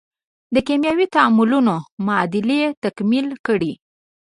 د کیمیاوي تعاملونو معادلې تکمیلې کړئ.